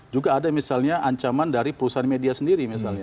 juga ada misalnya ancaman dari perusahaan media sendiri misalnya